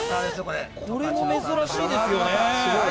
これも珍しいですね。